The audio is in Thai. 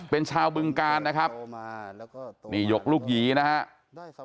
เป็นชาวบึงกาลนะครับนี่หยกลูกหยีนะครับ